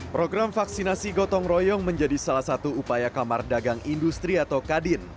program vaksinasi gotong royong menjadi salah satu upaya kamar dagang industri atau kadin